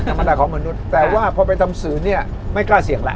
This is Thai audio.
ธรรมดาของมนุษย์แต่ว่าพอไปทำสื่อเนี่ยไม่กล้าเสี่ยงแล้ว